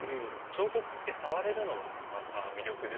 彫刻って触れるのがまた魅力で。